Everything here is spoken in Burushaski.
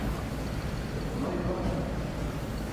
be mamay baan?